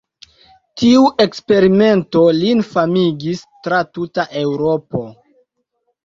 Tiu eksperimento lin famigis tra tuta Eŭropo.